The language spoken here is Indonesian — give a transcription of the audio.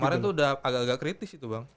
kemarin tuh udah agak agak kritis itu bang